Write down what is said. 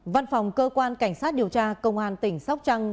văn phòng cơ quan cảnh sát điều tra công an tỉnh sóc trăng